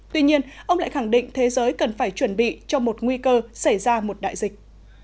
tuy nhiên ông lại khẳng định thế giới cần phải chuẩn bị cho một nguy cơ xảy ra một đại dịch